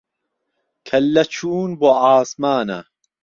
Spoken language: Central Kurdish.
کهلله چوون بۆ عاسمانه